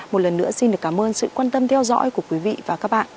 một lần nữa xin được cảm ơn sự quan tâm theo dõi của quý vị và các bạn